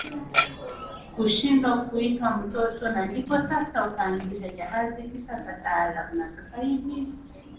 kushindwa kuitwa mtoto Na ndipo sasa ukaanzisha Jahazi kisasa taarabu Na sasa hivi